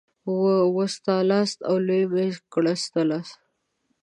وساتلاست او لوی مي کړلاست.